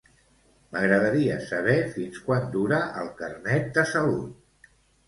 M'agradaria saber fins quan dura el Carnet de salut.